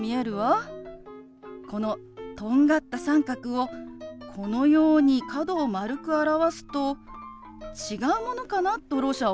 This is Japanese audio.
このとんがった三角をこのように角を丸く表すと違うものかなとろう者は思ってしまうの。